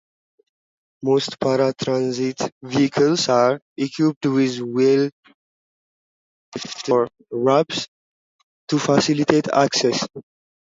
Most paratransit vehicles are equipped with wheelchair lifts or ramps to facilitate access.